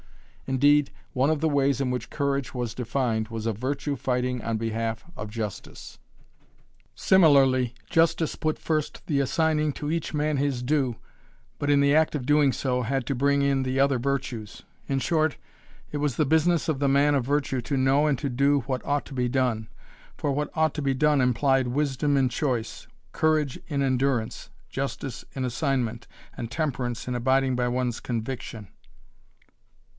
Indeed one of the ways in which courage was defined was a virtue fighting on behalf of justice. Similarly justice put first the assigning to each man his due, but in the act of doing so had to bring in the other virtues. In short, it was the business of the man of virtue to know and to do what ought to be done, for what ought to be done implied wisdom in choice, courage in endurance, justice in assignment and temperance in abiding by ones conviction.